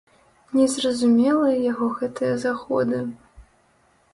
Незразумелыя яго гэтыя заходы.